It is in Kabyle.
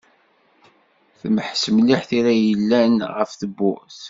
Temḥeṣ mliḥ tira yellan ɣef tewwurt.